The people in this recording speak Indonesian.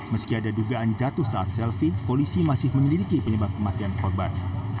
meski ada dugaan jatuh saat selfie polisi masih menyelidiki penyebab kematian korban